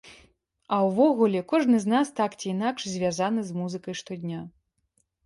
А ўвогуле, кожны з нас так ці інакш звязаны з музыкай штодня.